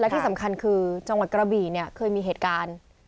ที่สำคัญคือจังหวัดกระบี่เนี่ยเคยมีเหตุการณ์